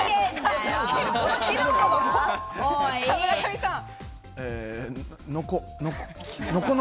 村上さん。